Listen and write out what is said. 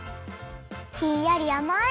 ひんやりあまい！